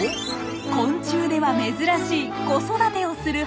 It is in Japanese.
昆虫では珍しい子育てをする母親。